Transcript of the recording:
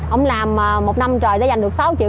ông làm một năm trời đã dành được sáu triệu